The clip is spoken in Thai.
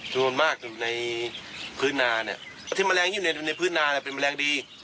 โดนมากอยู่ในพื้นนาเนี้ยที่แมลงอยู่ในในพื้นนาเนี้ยเป็นแมลงดี